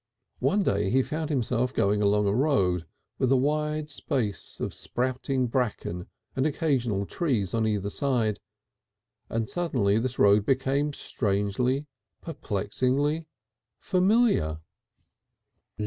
One day he found himself going along a road, with a wide space of sprouting bracken and occasional trees on either side, and suddenly this road became strangely, perplexingly familiar.